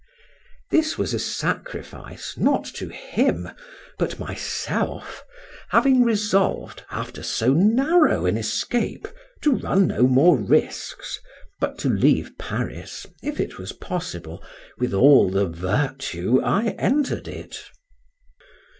This was a sacrifice not to him, but myself, having resolved, after so narrow an escape, to run no more risks, but to leave Paris, if it was possible, with all the virtue I enter'd it.